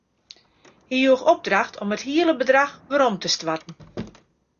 Hy joech opdracht om it hiele bedrach werom te stoarten.